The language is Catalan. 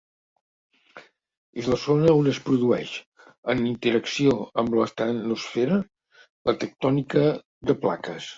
És la zona on es produeix, en interacció amb l'astenosfera, la tectònica de plaques.